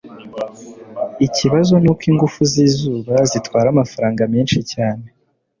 Ikibazo nuko ingufu zizuba zitwara amafaranga menshi cyane.